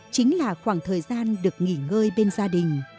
chính là khoảng thời gian được nghỉ ngơi bên gia đình